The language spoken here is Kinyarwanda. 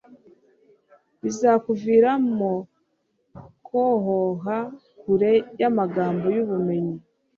bizakuviramo kohoha kure y’amagambo y’ubumenyi